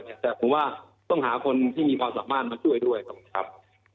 แต่ผมว่าต้องหาคนที่มีความสามารถมาช่วยด้วยตรงนี้ครับ